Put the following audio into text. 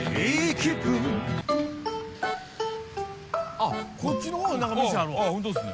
あっこっちのほうに何か店あるわ。